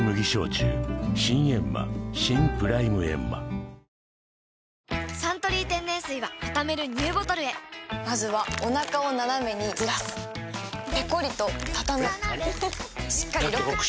はじまる「サントリー天然水」はたためるＮＥＷボトルへまずはおなかをナナメにずらすペコリ！とたたむしっかりロック！